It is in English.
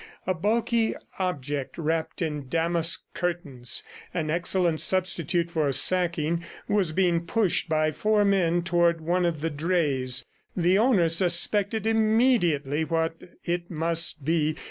A bulky object wrapped in damask curtains an excellent substitute for sacking was being pushed by four men toward one of the drays. The owner suspected immediately what it must be.